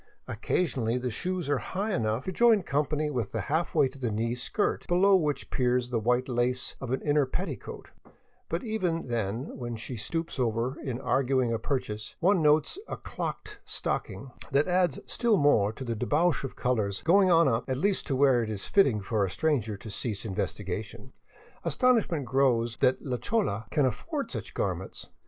Occasionally the shoes are high enough to join company with 505 VAGABONDING DOWN THE ANDES the halfway to the knee skirt, below which peers the white lace of an inner petticoat, but even then when she stoeps over in arguing a pur chase, one notes a " clocked " stocking, that adds still more to the debauch of colors, going on up — at least to where it is fitting for a stranger to cease investigation. Astonishment grows that la chola can afford such garments.